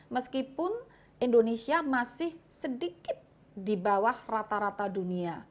meskipun indonesia masih sedikit di bawah rata rata dunia